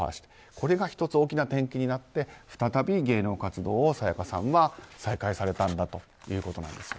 これが１つ大きな転機になって再び芸能活動を沙也加さんは再開されたんだということなんです。